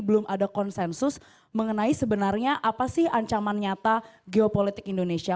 belum ada konsensus mengenai sebenarnya apa sih ancaman nyata geopolitik indonesia